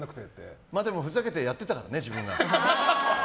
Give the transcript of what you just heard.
ふざけてやってたらね、自分が。